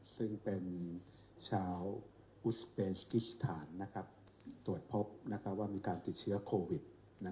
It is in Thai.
ซึ่งเป็นชาวอุสเปนสกิสถานตรวจพบว่ามีการติดเชื้อโควิด